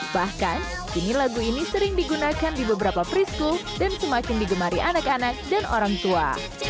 bahkan kini lagu ini sering digunakan di beberapa free school dan semakin digemari anak anak dan orang tua